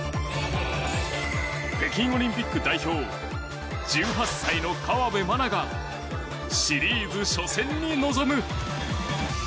北京オリンピック代表１８歳の河辺愛菜がシリーズ初戦に臨む。